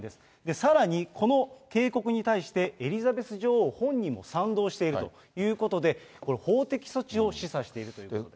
さらに、この警告に対して、エリザベス女王本人も賛同しているということで、これ、法的措置を示唆しているということです。